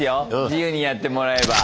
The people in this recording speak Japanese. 自由にやってもらえば。